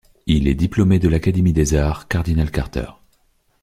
Il est diplômé de l'Académie des arts Cardinal Carter.